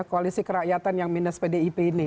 koalisi kerakyatan yang minus pdip ini